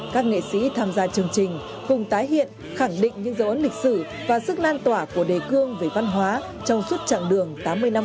các nghệ sĩ tham gia chương trình cùng tái hiện khẳng định những dấu ấn lịch sử và sức lan tỏa của đề cương về văn hóa trong suốt chặng đường tám mươi năm